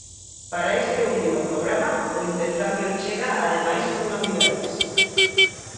Para este último programa, o intercambio chega ademais con novidades.